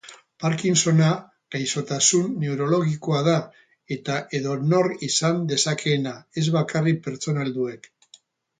Parkinsona gaixotasun neurologikoa da eta edonork izan dezakeena, ez bakarrik persona helduek.